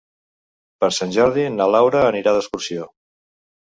Per Sant Jordi na Laura anirà d'excursió.